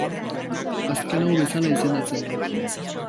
Azken hau bezala izendatzen da.